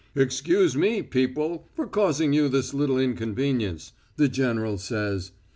'Excuse me, people, for causing you this little inconvenience,' the general says.